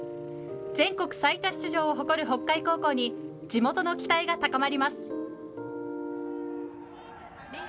全国最多出場を誇る北海高校に地元の期待が高まります。